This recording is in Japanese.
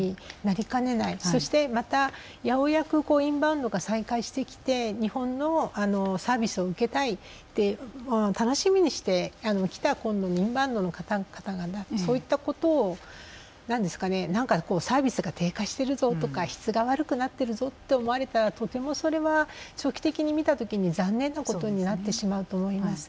そしてまたようやくインバウンドが再開してきて日本のサービスを受けたいって楽しみにしてきたインバウンドの方々がそういったことを何ですかね何かこうサービスが低下しているぞとか質が悪くなってるぞと思われたらとてもそれは長期的に見たときに残念なことになってしまうと思います。